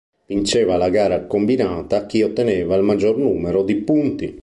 Vinceva la gara combinata chi otteneva il maggior numero di punti.